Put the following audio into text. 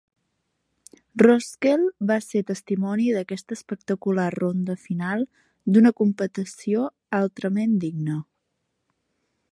Roskell va ser testimoni d'aquesta espectacular ronda final d'una competició altrament digna.